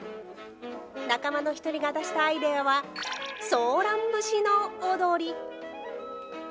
仲間の１人が出したアイデアは、ソーラン節の踊り。